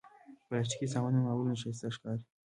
پلاستيکي سامانونه معمولا ښايسته ښکاري.